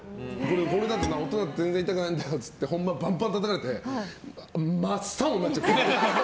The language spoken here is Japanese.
これだとな、音が鳴っても全然痛くないんだよって本番、バンバンたたかれて真っ青になっちゃって。